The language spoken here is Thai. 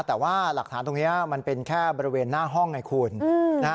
แต่ว่าหลักฐานตรงนี้มันเป็นแค่บริเวณหน้าห้องไงคุณนะฮะ